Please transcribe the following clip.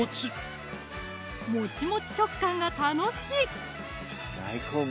もちもち食感が楽しい！